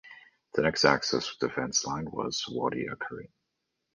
The next Axis defence line was at Wadi Akarit.